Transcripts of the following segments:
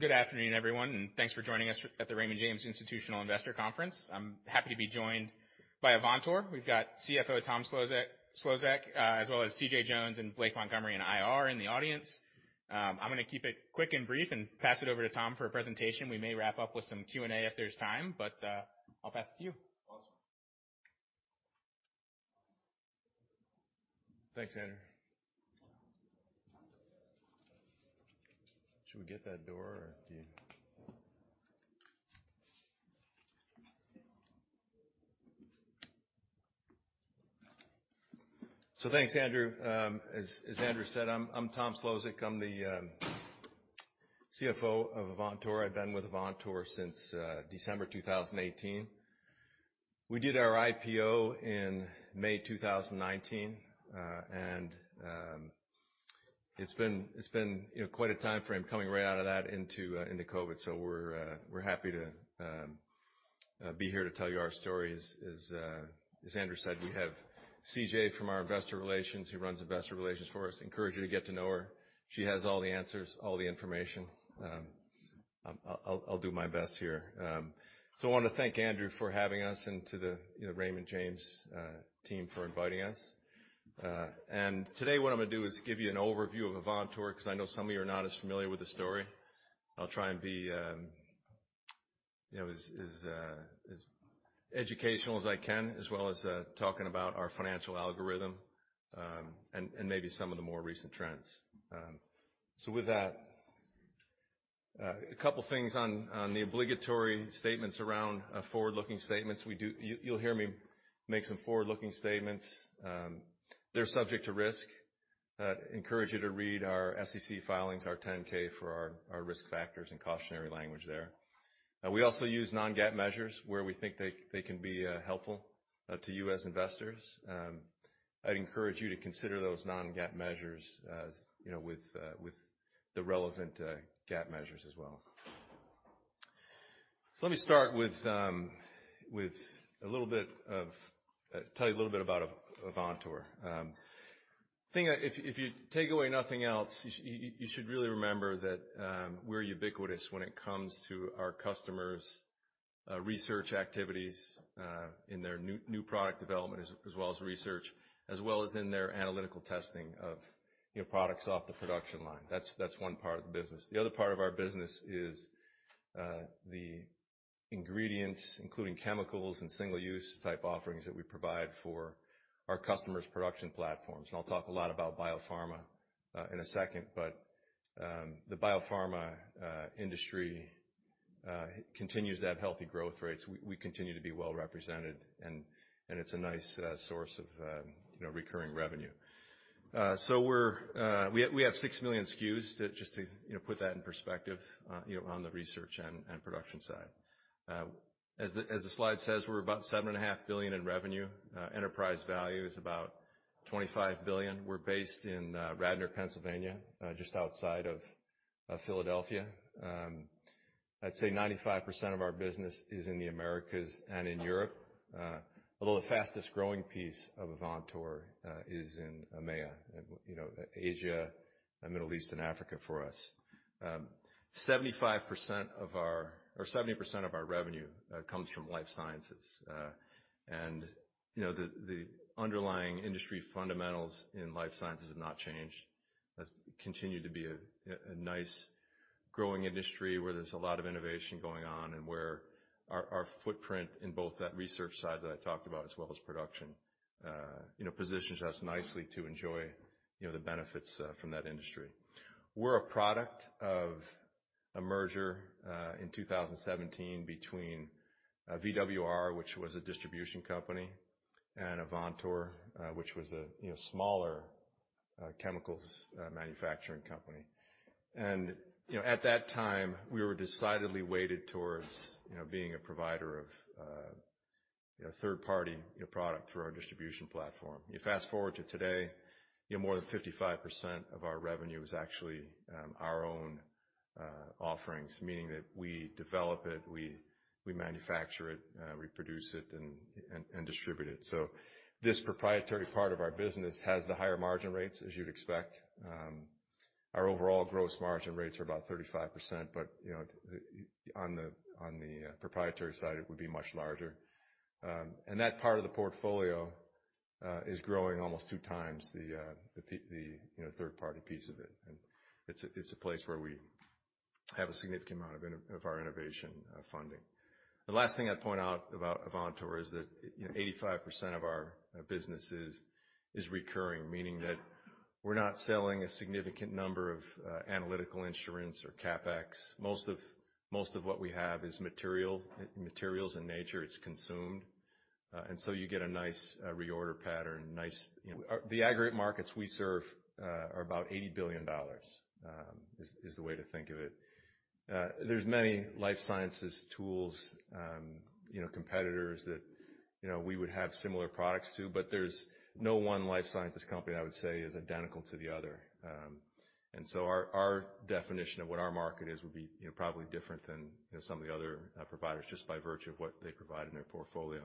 Good afternoon, everyone, and thanks for joining us at the Raymond James Institutional Investors Conference. I'm happy to be joined by Avantor. We've got CFO, Tom Szlosek, as well as CJ Jones and Blake Montgomery in IR in the audience. I'm gonna keep it quick and brief and pass it over to Tom for a presentation. We may wrap up with some Q&A if there's time, but I'll pass it to you. Awesome. Thanks, Andrew. Thanks, Andrew. As Andrew said, I'm Tom Szlosek. I'm the CFO of Avantor. I've been with Avantor since December 2018. We did our IPO in May 2019, and it's been, you know, quite a timeframe coming right out of that into COVID-19. We're happy to be here to tell you our story. As Andrew said, we have CJ from our investor relations, who runs investor relations for us. Encourage you to get to know her. She has all the answers, all the information. I'll do my best here. I wanna thank Andrew for having us and to the, you know, Raymond James team for inviting us. Today, what I'm gonna do is give you an overview of Avantor 'cause I know some of you are not as familiar with the story. I'll try and be, you know, as educational as I can, as well as talking about our financial algorithm, and maybe some of the more recent trends. With that, a couple things on the obligatory statements around forward-looking statements. You'll hear me make some forward-looking statements. They're subject to risk. I'd encourage you to read our SEC filings, our 10-K for our risk factors and cautionary language there. We also use non-GAAP measures where we think they can be helpful to you as investors. I'd encourage you to consider those non-GAAP measures as, you know, with the relevant GAAP measures as well. Let me tell you a little bit about Avantor. If you take away nothing else, you should really remember that we're ubiquitous when it comes to our customers' research activities in their new product development as well as research, as well as in their analytical testing of, you know, products off the production line. That's one part of the business. The other part of our business is the ingredients, including chemicals and single-use type offerings that we provide for our customers' production platforms. I'll talk a lot about biopharma in a second. The biopharma industry continues to have healthy growth rates. We continue to be well-represented, and it's a nice source of, you know, recurring revenue. We have six million SKUs just to, you know, put that in perspective, you know, on the research and production side. As the slide says, we're about $7.5 billion in revenue. Enterprise value is about $25 billion. We're based in Radnor, Pennsylvania, just outside of Philadelphia. I'd say 95% of our business is in the Americas and in Europe. Although the fastest-growing piece of Avantor is in EMEA, and, you know, Asia and Middle East and Africa for us. 70% of our revenue comes from life sciences. You know, the underlying industry fundamentals in life sciences have not changed. That's continued to be a nice growing industry where there's a lot of innovation going on and where our footprint in both that research side that I talked about as well as production, you know, positions us nicely to enjoy, you know, the benefits from that industry. We're a product of a merger in 2017 between VWR, which was a distribution company, and Avantor, which was a, you know, smaller, chemicals, manufacturing company. You know, at that time, we were decidedly weighted towards, you know, being a provider of, you know, third-party, you know, product through our distribution platform. You fast-forward to today, you know, more than 55% of our revenue is actually our own offerings, meaning that we develop it, we manufacture it, we produce it, and distribute it. This proprietary part of our business has the higher margin rates, as you'd expect. Our overall gross margin rates are about 35%, but, you know, on the proprietary side, it would be much larger. That part of the portfolio is growing almost two times the, you know, third-party piece of it. It's a place where we have a significant amount of our innovation funding. The last thing I'd point out about Avantor is that, you know, 85% of our business is recurring, meaning that we're not selling a significant number of analytical instruments or CapEx. Most of what we have is materials in nature. It's consumed. You get a nice reorder pattern, nice, you know, the aggregate markets we serve are about $80 billion is the way to think of it. There's many life sciences tools, you know, competitors that, you know, we would have similar products to, but there's no one life sciences company I would say is identical to the other. Our definition of what our market is would be, you know, probably different than, you know, some of the other providers just by virtue of what they provide in their portfolio.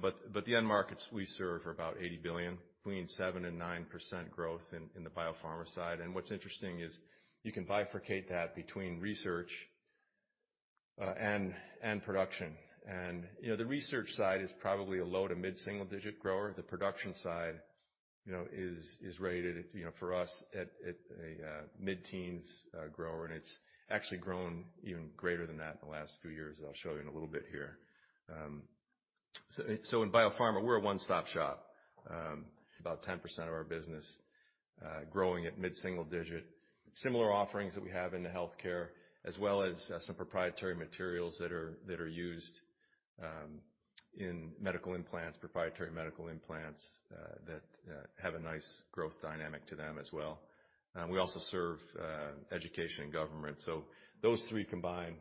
But the end markets we serve are about $80 billion, between 7% and 9% growth in the biopharma side. What's interesting is you can bifurcate that between research and production. You know, the research side is probably a low to mid-single digit grower. The production side, you know, is rated, you know, for us at a mid-teens grower, and it's actually grown even greater than that in the last few years. I'll show you in a little bit here. So in biopharma, we're a one-stop shop. About 10% of our business, growing at mid-single digit. Similar offerings that we have in the healthcare, as well as some proprietary materials that are used in medical implants, proprietary medical implants that have a nice growth dynamic to them as well. We also serve education and government. Those three combined,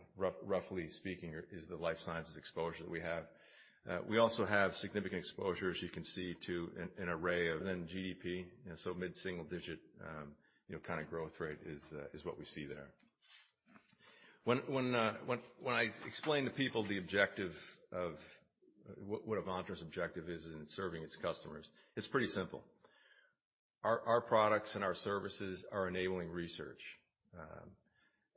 roughly speaking, is the life sciences exposure that we have. We also have significant exposure, as you can see, to an array of then GDP. You know, mid-single digit, you know, kind of growth rate is what we see there. When I explain to people the objective of what Avantor's objective is in serving its customers, it's pretty simple. Our products and our services are enabling research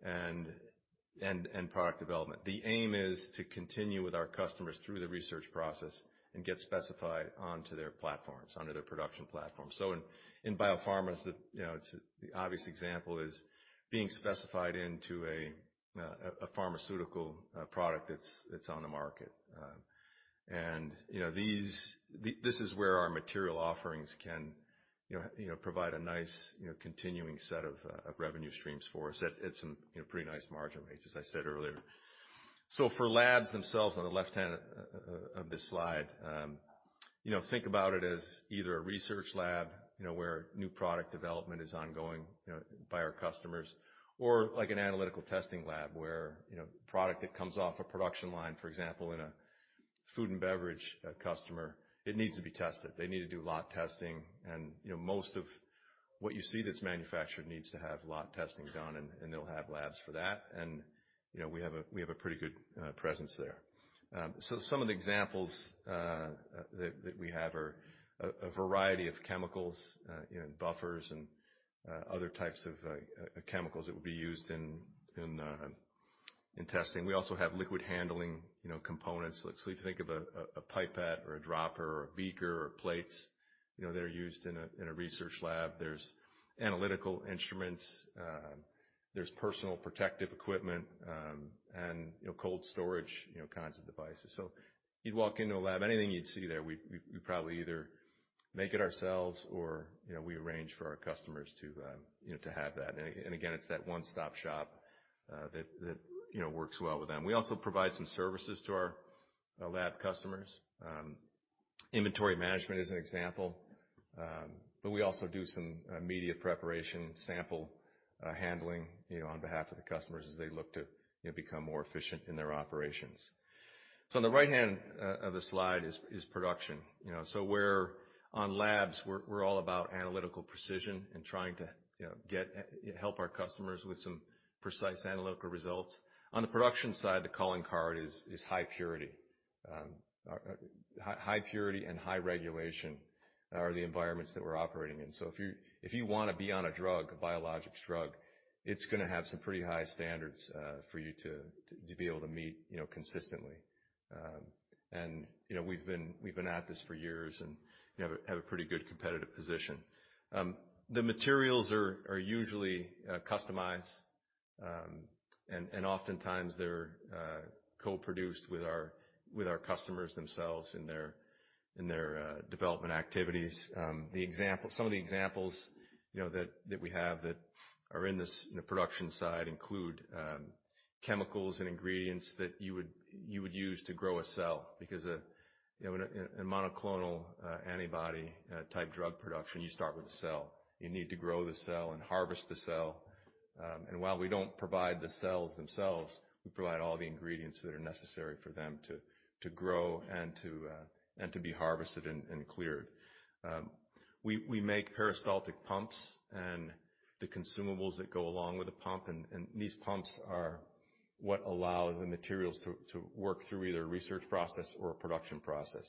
and product development. The aim is to continue with our customers through the research process and get specified onto their platforms, onto their production platforms. In biopharmas, you know, the obvious example is being specified into a pharmaceutical product that's on the market. You know, this is where our material offerings can, you know, provide a nice, continuing set of revenue streams for us at some, you know, pretty nice margin rates, as I said earlier. For labs themselves, on the left hand of this slide, you know, think about it as either a research lab, you know, where new product development is ongoing, you know, by our customers, or like an analytical testing lab where, you know, product that comes off a production line, for example, in a food and beverage customer, it needs to be tested. They need to do lot testing and, you know, most of what you see that's manufactured needs to have lot testing done and they'll have labs for that. You know, we have a pretty good presence there. Some of the examples that we have are a variety of chemicals, you know, buffers and other types of chemicals that would be used in testing. We also have liquid handling, you know, components. Think of a pipette or a dropper or a beaker or plates. You know, they're used in a research lab. There's analytical instruments, there's personal protective equipment, and, you know, cold storage, you know, kinds of devices. You'd walk into a lab, anything you'd see there, we probably either make it ourselves or, you know, we arrange for our customers to, you know, to have that. Again, it's that one-stop shop that, you know, works well with them. We also provide some services to our lab customers. Inventory management is an example. We also do some media preparation, sample handling, you know, on behalf of the customers as they look to, you know, become more efficient in their operations. On the right hand of the slide is production. You know, we're on labs. We're all about analytical precision and trying to, you know, help our customers with some precise analytical results. On the production side, the calling card is high purity. High purity and high regulation are the environments that we're operating in. If you wanna be on a drug, a biologics drug, it's gonna have some pretty high standards for you to be able to meet, you know, consistently. You know, we've been at this for years and have a pretty good competitive position. The materials are usually customized. Oftentimes they're co-produced with our customers themselves in their development activities. The examples, you know, that we have that are in this, in the production side include chemicals and ingredients that you use to grow a cell. Because, you know, in a monoclonal antibody type drug production, you start with a cell. You need to grow the cell and harvest the cell. And while we don't provide the cells themselves, we provide all the ingredients that are necessary for them to grow and to be harvested and cleared. We make peristaltic pumps and the consumables that go along with the pump. These pumps are what allow the materials to work through either a research process or a production process.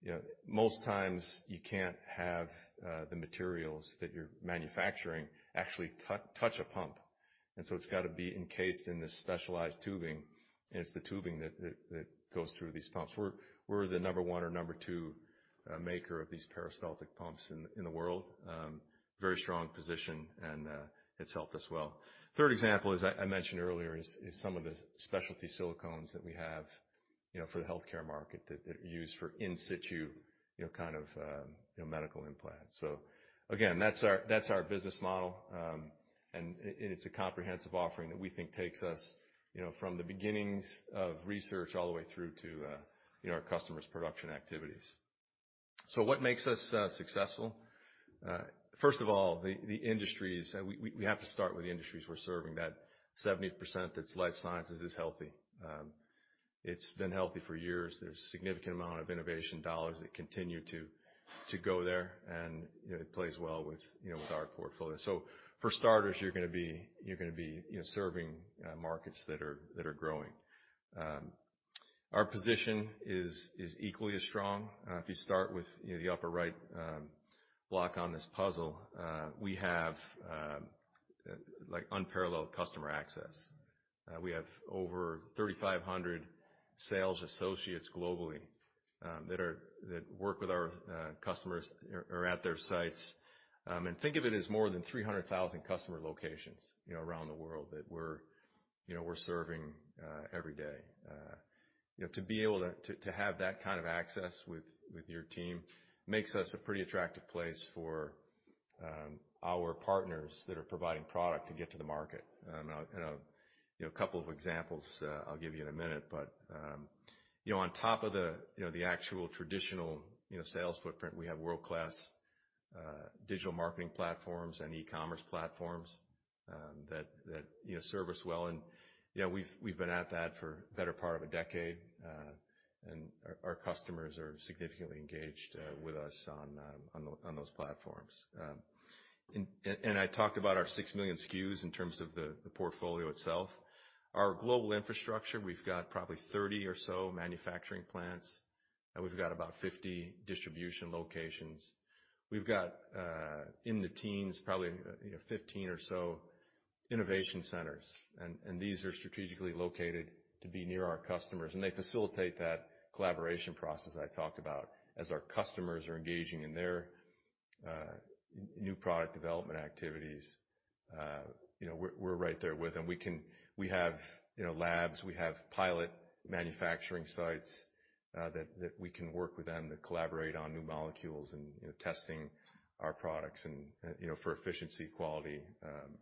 You know, most times you can't have the materials that you're manufacturing actually touch a pump. It's gotta be encased in this specialized tubing, and it's the tubing that goes through these pumps. We're the number one or number two maker of these peristaltic pumps in the world. Very strong position, and it's helped us well. Third example, as I mentioned earlier, is some of the specialty silicones that we have, you know, for the healthcare market that are used for in situ, you know, kind of medical implants. Again, that's our business model. And it's a comprehensive offering that we think takes us, you know, from the beginnings of research all the way through to, you know, our customers' production activities. What makes us successful? First of all, the industries. We have to start with the industries we're serving, that 70% that's life sciences is healthy. It's been healthy for years. There's significant amount of innovation dollars that continue to go there, and, you know, it plays well with, you know, with our portfolio. For starters, you're gonna be, you know, serving markets that are growing. Our position is equally as strong. If you start with, you know, the upper right block on this puzzle, we have, like, unparalleled customer access. We have over 3,500 sales associates globally that work with our customers or at their sites. Think of it as more than 300,000 customer locations, you know, around the world that we're, you know, serving every day. You know, to be able to have that kind of access with your team makes us a pretty attractive place for our partners that are providing product to get to the market. You know, a couple of examples I'll give you in a minute. You know, on top of the, you know, the actual traditional, you know, sales footprint, we have world-class digital marketing platforms and e-commerce platforms that, you know, serve us well. You know, we've been at that for the better part of a decade. Our customers are significantly engaged with us on those platforms. I talked about our six million SKUs in terms of the portfolio itself. Our global infrastructure, we've got probably 30 or so manufacturing plants, we've got about 50 distribution locations. We've got in the teens, probably, you know, 15 or so innovation centers. These are strategically located to be near our customers, and they facilitate that collaboration process I talked about. As our customers are engaging in their new product development activities, you know, we're right there with them. We have, you know, labs, we have pilot manufacturing sites that we can work with them to collaborate on new molecules and, you know, testing our products and, you know, for efficiency, quality,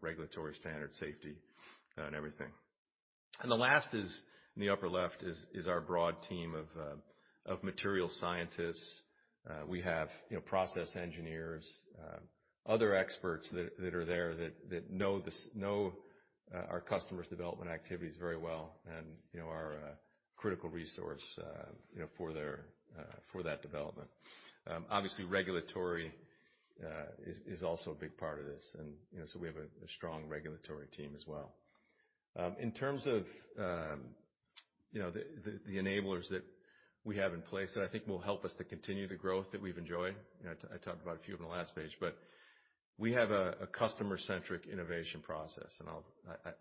regulatory standard, safety, and everything. The last is, in the upper left is our broad team of material scientists. We have, you know, process engineers, other experts that are there that know our customers' development activities very well, and, you know, are a critical resource, you know, for their, for that development. Obviously regulatory is also a big part of this. We have a strong regulatory team as well. In terms of, you know, the enablers that we have in place that I think will help us to continue the growth that we've enjoyed, you know, I talked about a few on the last page. We have a customer-centric innovation process, and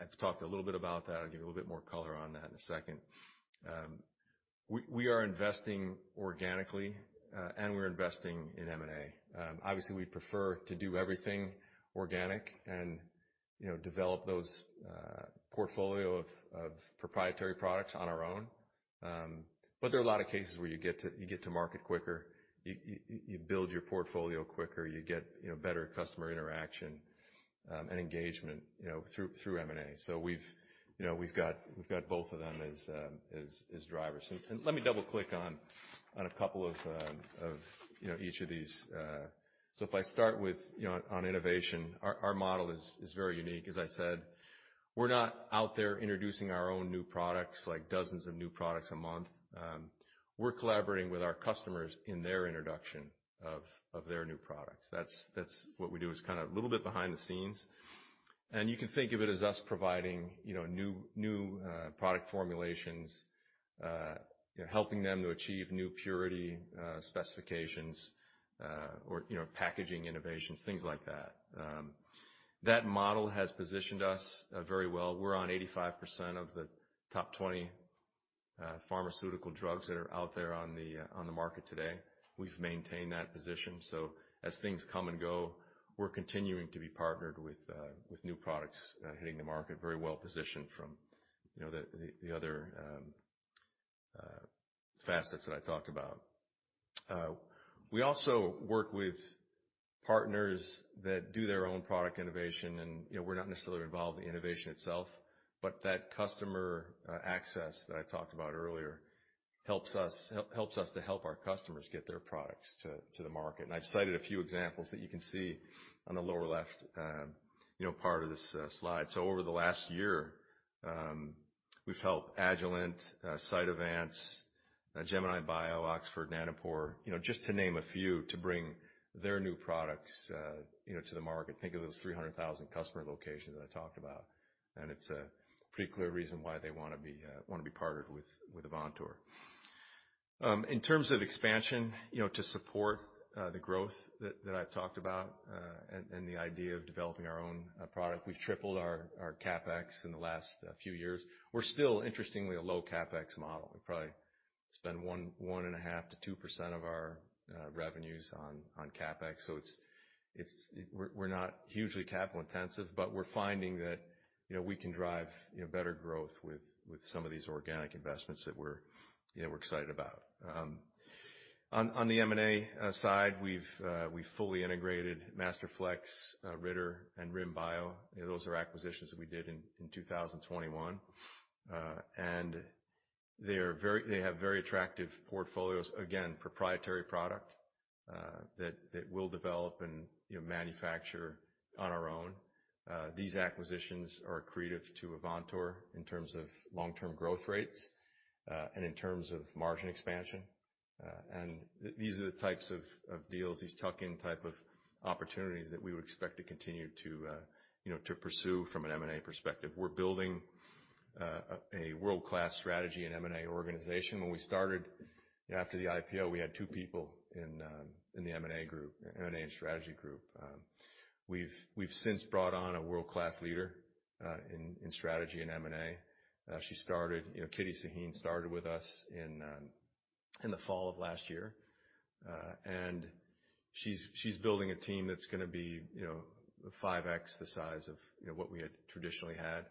I've talked a little bit about that. I'll give you a little bit more color on that in a second. We are investing organically, and we're investing in M&A. Obviously, we'd prefer to do everything organic and, you know, develop those, portfolio of proprietary products on our own. There are a lot of cases where you get to market quicker, you build your portfolio quicker, you get, you know, better customer interaction, and engagement, you know, through M&A. We've, you know, we've got both of them as drivers. Let me double-click on a couple of, you know, each of these. If I start with, you know, on innovation, our model is very unique. As I said, we're not out there introducing our own new products, like dozens of new products a month. We're collaborating with our customers in their introduction of their new products. That's what we do. It's kind of a little bit behind the scenes. You can think of it as us providing, you know, new product formulations, you know, helping them to achieve new purity specifications, or, you know, packaging innovations, things like that. That model has positioned us very well. We're on 85% of the top 20 pharmaceutical drugs that are out there on the market today. We've maintained that position. As things come and go, we're continuing to be partnered with new products hitting the market, very well positioned from, you know, the other facets that I talked about. We also work with partners that do their own product innovation. You know, we're not necessarily involved in the innovation itself, but that customer access that I talked about earlier helps us to help our customers get their products to the market. I've cited a few examples that you can see on the lower left, you know, part of this slide. Over the last year, we've helped Agilent, Cytovance, GeminiBio, Oxford Nanopore, you know, just to name a few, to bring their new products, you know, to the market. Think of those 300,000 customer locations that I talked about, and it's a pretty clear reason why they wanna be partnered with Avantor. In terms of expansion, you know, to support the growth that I've talked about, and the idea of developing our own product, we've tripled our CapEx in the last few years. We're still interestingly a low CapEx model. We probably spend 1.5% to 2% of our revenues on CapEx. We're not hugely capital intensive, but we're finding that, you know, we can drive, you know, better growth with some of these organic investments that we're excited about. On the M&A side, we've fully integrated Masterflex, Ritter, and RIM Bio. You know, those are acquisitions that we did in 2021. They have very attractive portfolios, again, proprietary product that we'll develop and, you know, manufacture on our own. These acquisitions are accretive to Avantor in terms of long-term growth rates and in terms of margin expansion. These are the types of deals, these tuck-in type of opportunities that we would expect to continue to, you know, to pursue from an M&A perspective. We're building a world-class strategy in M&A organization. When we started, you know, after the IPO, we had two people in the M&A group, M&A and strategy group. We've since brought on a world-class leader in strategy and M&A. You know, Kitty Sahin started with us in the fall of last year. She's building a team that's gonna be, you know, 5x the size of, you know, what we had traditionally had.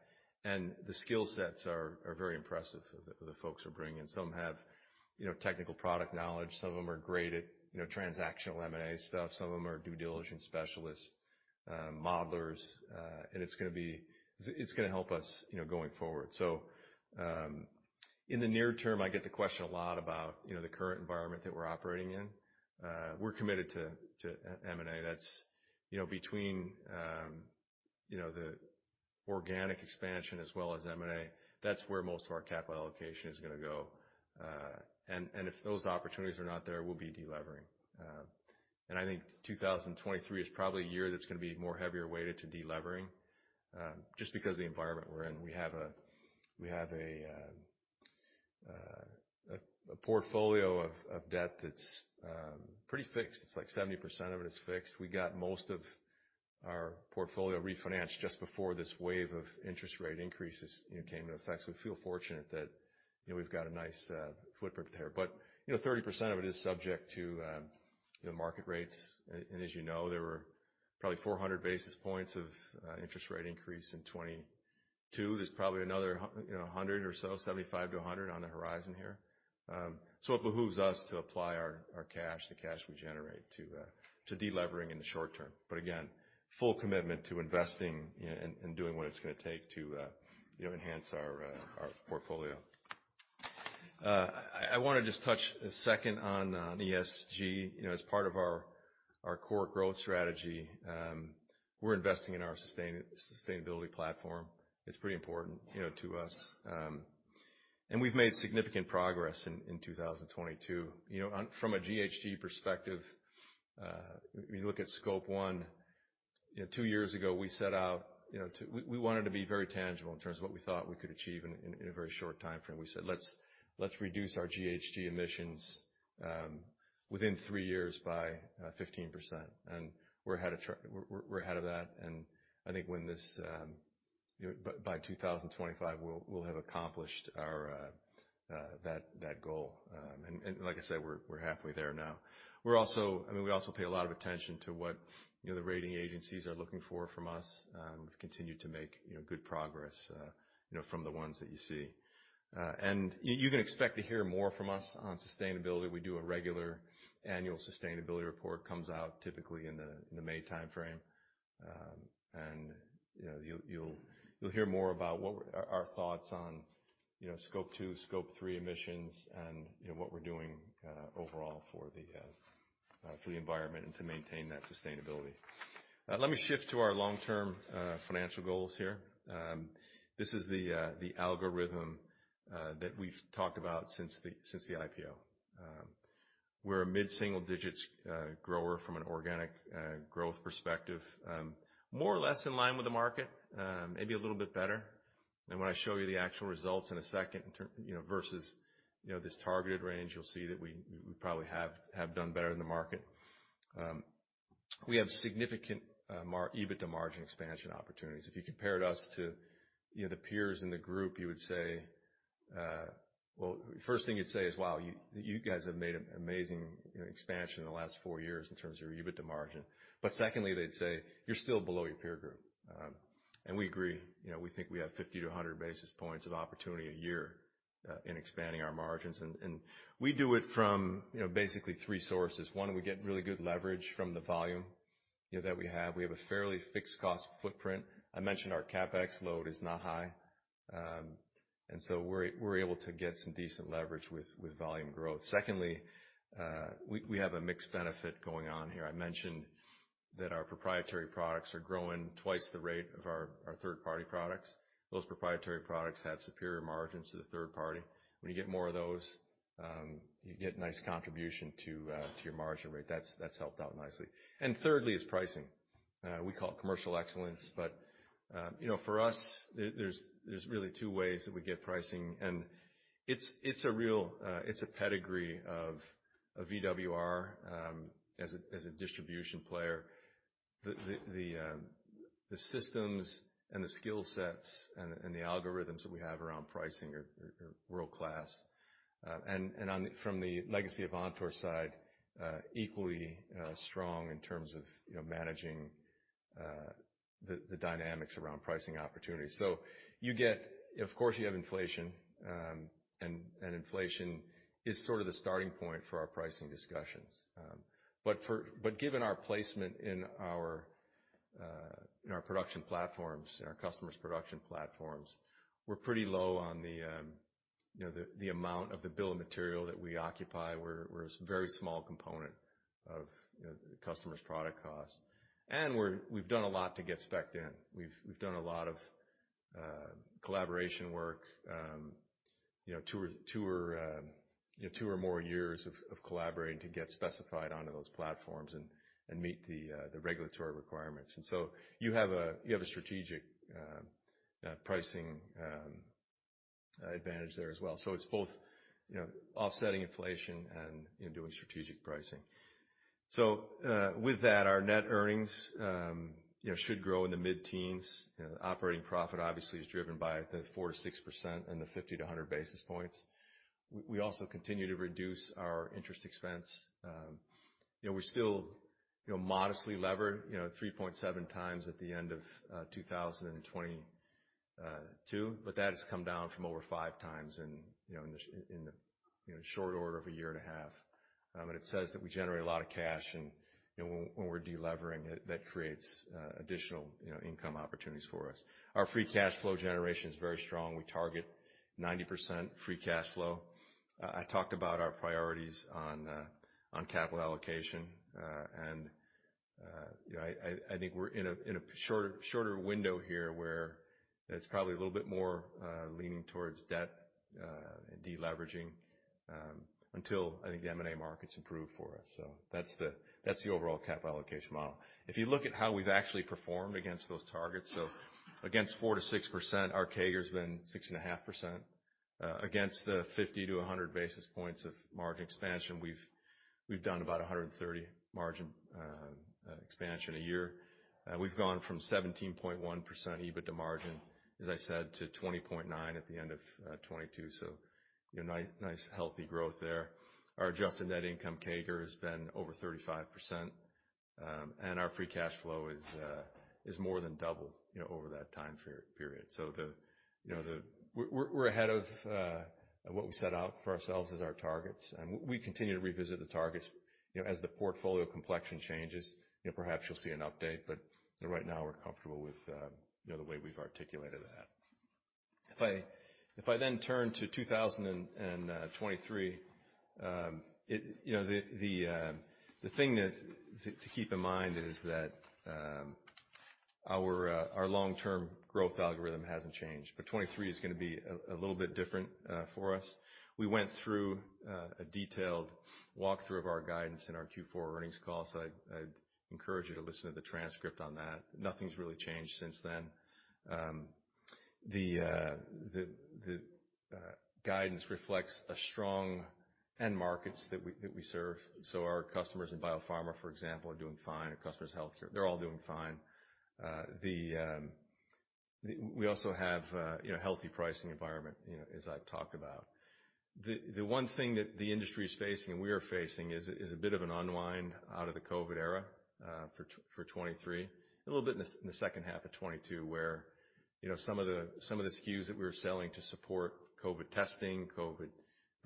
The skill sets are very impressive of the folks we're bringing in. Some have, you know, technical product knowledge. Some of them are great at, you know, transactional M&A stuff. Some of them are due diligence specialists, modelers. It's gonna help us, you know, going forward. In the near term, I get the question a lot about, you know, the current environment that we're operating in. We're committed to M&A. That's, you know, between, you know, the organic expansion as well as M&A, that's where most of our capital allocation is gonna go. If those opportunities are not there, we'll be de-levering. I think 2023 is probably a year that's gonna be more heavier weighted to de-levering just because of the environment we're in. We have a portfolio of debt that's pretty fixed. It's like 70% of it is fixed. We got most of our portfolio refinanced just before this wave of interest rate increases, you know, came into effect. We feel fortunate that, you know, we've got a nice footprint there. You know, 30% of it is subject to the market rates. As you know, there were probably 400 basis points of interest rate increase in 2022. There's probably another, you know, 100 or so, 75-100 on the horizon here. It behooves us to apply our cash, the cash we generate, to de-levering in the short term. Again, full commitment to investing, you know, and doing what it's gonna take to, you know, enhance our portfolio. I wanna just touch a second on ESG. You know, as part of our core growth strategy, we're investing in our sustainability platform. It's pretty important, you know, to us. We've made significant progress in 2022. You know, from a GHG perspective, when you look at Scope 1, you know, two years ago we set out, you know. We wanted to be very tangible in terms of what we thought we could achieve in a very short timeframe. We said, "Let's reduce our GHG emissions within three years by 15%." We're ahead of that, and I think when this, you know. By 2025, we'll have accomplished our that goal. Like I said, we're halfway there now. We're also, I mean, we also pay a lot of attention to what, you know, the rating agencies are looking for from us. We've continued to make, you know, good progress, you know, from the ones that you see. You can expect to hear more from us on sustainability. We do a regular annual sustainability report, comes out typically in the May timeframe. You know, you'll hear more about our thoughts on, you know, Scope 2, Scope 3 emissions and, you know, what we're doing overall for the environment and to maintain that sustainability. Let me shift to our long-term financial goals here. This is the algorithm that we've talked about since the IPO. We're a mid-single digits grower from an organic growth perspective. More or less in line with the market, maybe a little bit better. When I show you the actual results in a second versus, you know, this targeted range, you'll see that we probably have done better than the market. We have significant EBITDA margin expansion opportunities. If you compared us to, you know, the peers in the group, you would say, well, first thing you'd say is, "Wow, you guys have made an amazing, you know, expansion in the last four years in terms of your EBITDA margin." Secondly, they'd say, "You're still below your peer group." We agree. You know, we think we have 50 to 100 basis points of opportunity a year in expanding our margins. We do it from, you know, basically three sources. One, we get really good leverage from the volume, you know, that we have. We have a fairly fixed cost footprint. I mentioned our CapEx load is not high. We're able to get some decent leverage with volume growth. Secondly, we have a mixed benefit going on here. I mentioned that our proprietary products are growing twice the rate of our third-party products. Those proprietary products have superior margins to the third party. When you get more of those, you get nice contribution to your margin rate. That's helped out nicely. Thirdly is pricing. We call it commercial excellence, but, you know, for us, there's really two ways that we get pricing. It's a pedigree of VWR, as a distribution player. The systems and the skill sets and the algorithms that we have around pricing are world-class. And from the legacy of Avantor side, equally strong in terms of, you know, managing the dynamics around pricing opportunities. You get. Of course, you have inflation, and inflation is sort of the starting point for our pricing discussions. But given our placement in our production platforms, in our customers' production platforms, we're pretty low on the, you know, the amount of the bill of material that we occupy. We're a very small component of, you know, the customer's product cost. We've done a lot to get specced in. We've done a lot of collaboration work, you know, two or more years of collaborating to get specified onto those platforms and meet the regulatory requirements. You have a strategic pricing advantage there as well. It's both, you know, offsetting inflation and, you know, doing strategic pricing. With that, our net earnings, you know, should grow in the mid-teens. Operating profit obviously is driven by the 4%-6% and the 50-100 basis points. We also continue to reduce our interest expense. You know, we're still, you know, modestly levered, you know, 3.7x at the end of 2022, but that has come down from over 5x in the, you know, short order of a year and a half. It says that we generate a lot of cash and, you know, when we're de-levering it, that creates additional, you know, income opportunities for us. Our free cash flow generation is very strong. We target 90% free cash flow. I talked about our priorities on capital allocation. You know, I think we're in a shorter window here where it's probably a little bit more leaning towards debt and de-leveraging until I think the M&A markets improve for us. That's the overall cap allocation model. If you look at how we've actually performed against those targets, against 4%-6%, our CAGR's been 6.5%. Against the 50-100 basis points of margin expansion, we've done about 130 margin expansion a year. We've gone from 17.1% EBITDA margin, as I said, to 20.9% at the end of 2022. You know, nice healthy growth there. Our adjusted net income CAGR has been over 35%. Our free cash flow is more than double, you know, over that time period. We're ahead of what we set out for ourselves as our targets, and we continue to revisit the targets, you know, as the portfolio complexion changes. You know, perhaps you'll see an update, right now we're comfortable with, you know, the way we've articulated that. If I turn to 2023. You know, the thing to keep in mind is that our long-term growth algorithm hasn't changed. 2023 is gonna be a little bit different for us. We went through a detailed walkthrough of our guidance in our Q4 earnings call, I'd encourage you to listen to the transcript on that. Nothing's really changed since then. The guidance reflects a strong end markets that we serve. Our customers in biopharma, for example, are doing fine. Our customers in healthcare, they're all doing fine. We also have, you know, healthy pricing environment, you know, as I've talked about. The one thing that the industry is facing and we are facing is a bit of an unwind out of the COVID era for 2023. A little bit in the second half of 2022, where, you know, some of the SKUs that we were selling to support COVID testing, COVID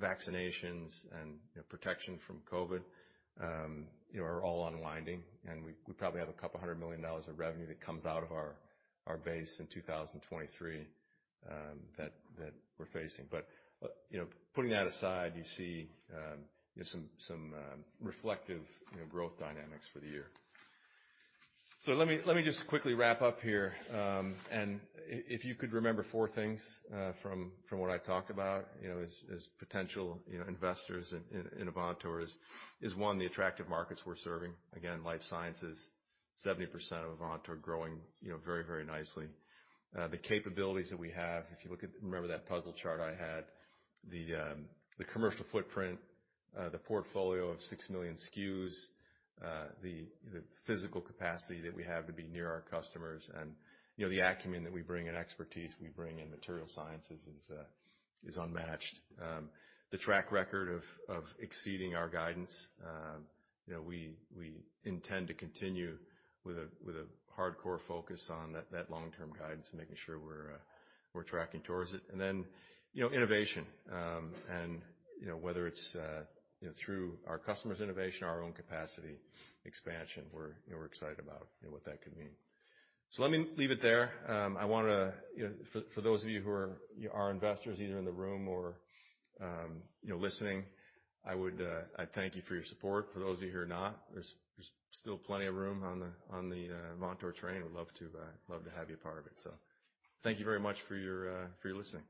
vaccinations, and, you know, protection from COVID, you know, are all unwinding. We probably have a couple hundred million dollars of revenue that comes out of our base in 2023 that we're facing. You know, putting that aside, you see, you know, some reflective, you know, growth dynamics for the year. Let me just quickly wrap up here. If you could remember four things from what I've talked about, you know, as potential, you know, investors in Avantor is one, the attractive markets we're serving. Again, life sciences, 70% of Avantor growing, you know, very, very nicely. The capabilities that we have, if you look at, remember that puzzle chart I had. The commercial footprint, the portfolio of six million SKUs, the physical capacity that we have to be near our customers and, you know, the acumen that we bring and expertise we bring in material sciences is unmatched. The track record of exceeding our guidance, you know, we intend to continue with a hardcore focus on that long-term guidance and making sure we're tracking towards it. Then, you know, innovation. You know, whether it's, you know, through our customers' innovation, our own capacity expansion, we're, you know, we're excited about, you know, what that could mean. Let me leave it there. I wanna, you know, for those of you who are, you know, are investors, either in the room or, you know, listening, I would, I thank you for your support. For those of you who are not, there's still plenty of room on the Avantor train. Would love to have you a part of it. Thank you very much for your listening.